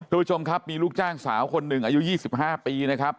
ทุกผู้ชมครับมีลูกจ้างสาวคนหนึ่งอายุ๒๕ปีนะครับ